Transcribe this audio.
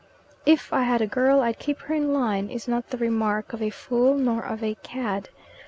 "If I had a girl, I'd keep her in line," is not the remark of a fool nor of a cad.